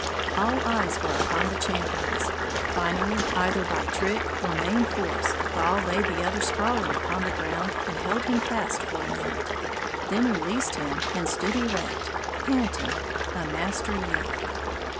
All eyes were upon the champions. Finally, either by trick or main force, Gall laid the other sprawling upon the ground and held him fast for a minute, then released him and stood erect, panting, a master youth.